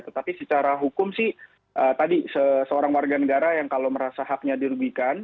tetapi secara hukum sih tadi seorang warga negara yang kalau merasa haknya dirugikan